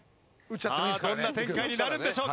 さあどんな展開になるんでしょうか？